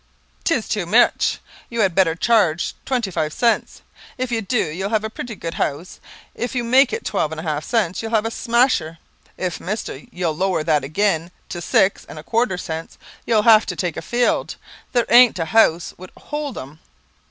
"Tis tew much. You had better chearge twenty five cents. If you dew, you'll have a pretty good house. If you make it twelve and a half cents, you'll have a smasher. If, mister, you'll lower that agin to six and a quarter cents, you'll have to take a field, there ain't a house would hold 'em."